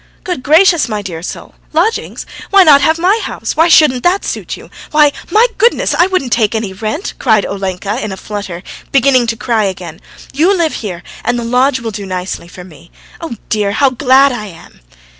"Good gracious, my dear soul! Lodgings? Why not have my house? Why shouldn't that suit you? Why, my goodness, I wouldn't take any rent!" cried Olenka in a flutter, beginning to cry again. "You live here, and the lodge will do nicely for me. Oh dear! how glad I am!"